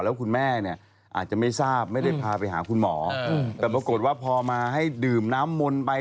แล้วคุณแม่เนี่ยอาจจะไม่ทราบไม่ได้พาไปหาคุณหมอแต่ปรากฏว่าพอมาให้ดื่มน้ำมนต์ไป